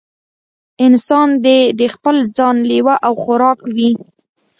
انسان دې د خپل ځان لېوه او خوراک وي.